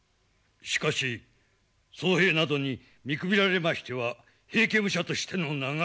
しかし僧兵などに見くびられましては平家武者としての名が。